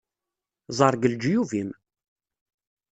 Ẓer deg leǧyub-im!